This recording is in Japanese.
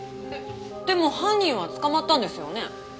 でも犯人は捕まったんですよね？